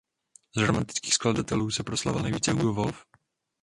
Z romantických skladatelů se proslavil nejvíce Hugo Wolf.